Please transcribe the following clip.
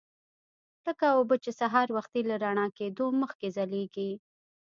لکه اوبه چې سهار وختي له رڼا کېدو مخکې ځلیږي.